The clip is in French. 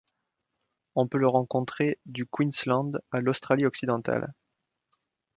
On peut le rencontrer du Queensland à l'Australie-Occidentale.